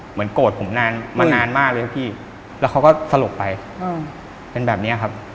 เหมือนโกรธผมมานานมากเลยครับพี่แล้วเขาก็สลบไปเป็นแบบนี้ครับ